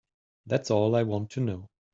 That's all I want to know.